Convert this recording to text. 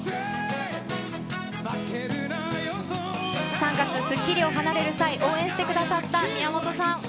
３月、スッキリを離れる際、応援してくださった宮本さん。